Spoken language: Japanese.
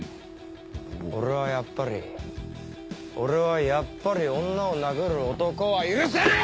俺はやっぱり俺はやっぱり女を殴る男は許せねえ‼